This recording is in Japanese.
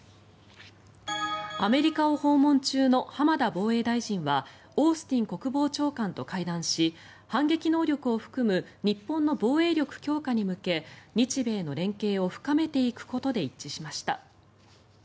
アメリカを訪問中の浜田防衛大臣はオースティン国防長官と会談し反撃能力を含む日本の防衛力強化に向け日米の連携を深めていくことで一致しました。